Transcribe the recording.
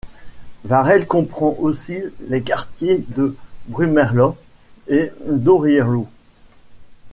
Varrel comprend aussi les quartiers de Brümmerloh et Dörrieloh.